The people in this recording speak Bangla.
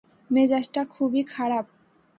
মেজাজটা খুবই খারাপ।